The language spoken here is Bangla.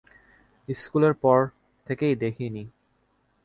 স্কুলের পর থেকেই দেখিনি।